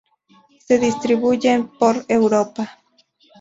Se distribuyen por Europa.